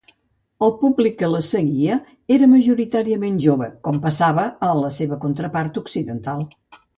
El públic que les seguia era majoritàriament jove, com passava a la seva contrapart occidental.